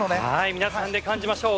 皆さんで感じましょう。